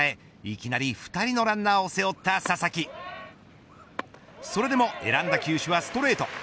いきなり２人のランナーを背負った佐々木それでも選んだ球種はストレート。